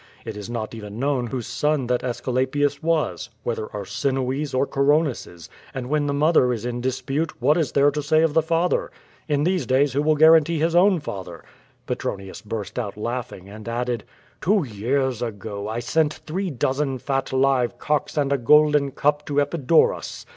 It is not even known whose son that Aesculapius was, whether Arsinoe's or Cor . onis's; and when the mother is in dispute, what is there to say \A of the father? In these days who will guarantee his own y father? Petronius burst out laughing, and added: "Two years ago I sent three dozen fat live cocks and a golden cup to Epidaurus.